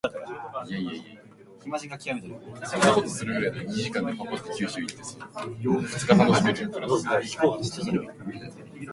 鳴き声が森に響く。